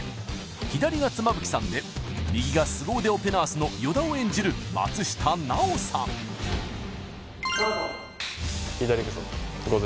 左が妻夫木さんで右がスゴ腕オペナースの依田を演じる松下奈緒さん左いくぞ